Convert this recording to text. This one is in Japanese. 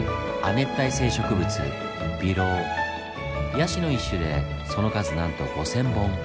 ヤシの一種でその数なんと５，０００本。